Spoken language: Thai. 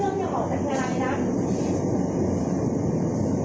เห็นไหมนี่คือเหตุผลของเขาหมาพี่ไม่ใช่หมาสกปรก